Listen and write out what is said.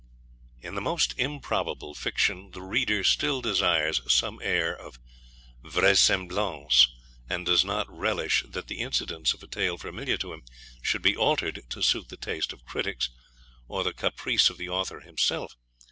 In the most improbable fiction, the reader still desires some air of vraisemblance, and does not relish that the incidents of a tale familiar to him should be altered to suit the taste of critics, or the caprice of the Author himself.